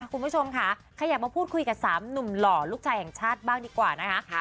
คุณผู้ชมค่ะขยับมาพูดคุยกับ๓หนุ่มหล่อลูกชายแห่งชาติบ้างดีกว่านะคะ